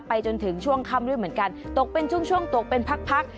จนถึงช่วงค่ำด้วยเหมือนกันตกเป็นช่วงช่วงตกเป็นพักพัก